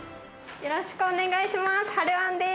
よろしくお願いします。